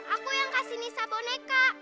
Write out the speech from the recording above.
aku yang kasih nisa boneka